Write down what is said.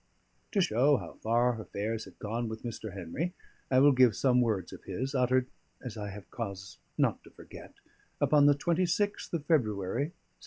To show how far affairs had gone with Mr. Henry, I will give some words of his, uttered (as I have cause not to forget) upon the 26th of February 1757.